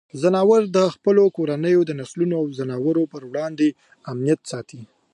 ځناور د خپلو کورنیو نسلونو او ځناورو پر وړاندې امنیت ساتي.